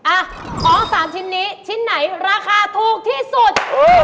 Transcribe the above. ของ๓ชิ้นนี้ชิ้นไหนราคาถูกที่สุด